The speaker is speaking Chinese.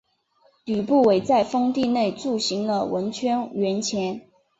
吕不韦在封地内铸行了文信圜钱。